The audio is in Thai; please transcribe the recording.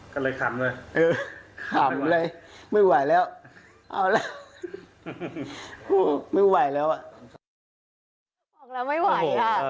ก็เลยขำเลยเออขำเลยไม่ไหวแล้วเอาแล้วไม่ไหวแล้วอ่ะ